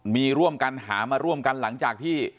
มีร่วมกันหามาร่วมกันหลังจากที่